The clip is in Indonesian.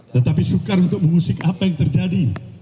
tetapi sukar untuk mengusik apa yang terjadi